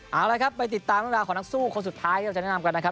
เอาละครับไปติดตามเรื่องราวของนักสู้คนสุดท้ายที่เราจะแนะนำกันนะครับ